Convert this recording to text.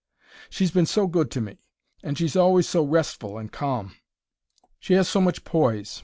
She's been so good to me! And she's always so restful and calm she has so much poise.